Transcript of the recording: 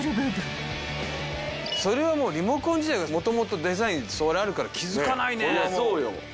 それはもうリモコン自体がもともとデザインあるから気付かないね。